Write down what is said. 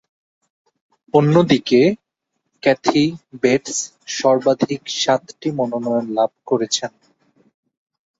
অন্যদিকে, Kathy Bates সর্বাধিক সাতটি মনোনয়ন লাভ করেছেন।